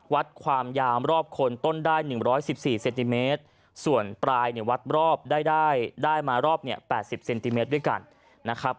วัดความยามรอบคนต้นได้หนึ่งร้อยสิบสี่เซนติเมตรส่วนปลายเนี้ยวัดรอบได้ได้ได้มารอบเนี้ยแปดสิบเซนติเมตรด้วยกันนะครับ